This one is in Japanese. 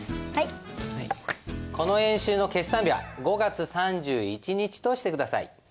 この演習の決算日は５月３１日として下さい。